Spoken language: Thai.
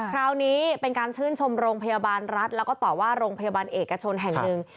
คราวนี้เป็นการชื่นชมโรงพยาบาลรัฐแล้วก็ต่อว่าโรงพยาบาลเอกชนแห่งหนึ่ง